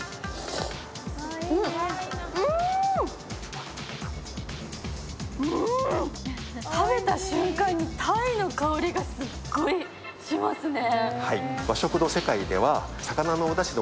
うーん、食べた瞬間に鯛の香りがすっごいしますね。